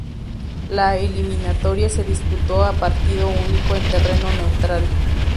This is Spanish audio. La eliminatoria se disputó a partido único en terreno neutral.